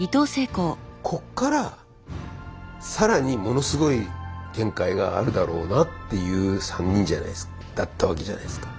こっから更にものすごい展開があるだろうなっていう３人だったわけじゃないすか。